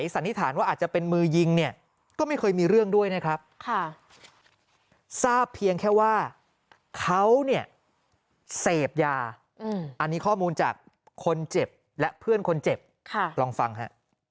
เสพยาอันนี้ข้อมูลจากคนเจ็บและเพื่อนคนเจ็บลองฟังฮะ